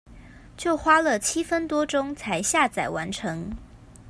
就花了七分多鐘才下載完成